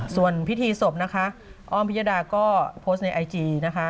ส่วนพิธีศพนะคะอ้อมพิยดาก็โพสต์ในไอจีนะคะ